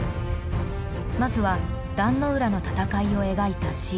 まずは壇ノ浦の戦いを描いたシーン。